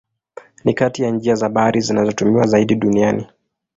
Ni kati ya njia za bahari zinazotumiwa zaidi duniani.